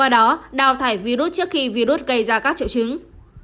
đó đào thải virus trước khi virus gây ra các triệu chứng